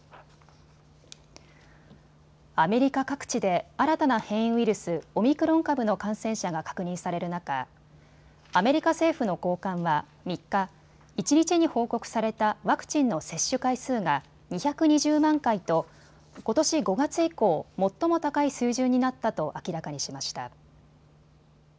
アメリカ各地で新たな変異ウイルス、オミクロン株の感染者が確認される中、アメリカ政府の高官は３日、一日に報告されたワクチンの接種回数が２２０万回とことし５月以降、最も高い水準になったと明らかにしました。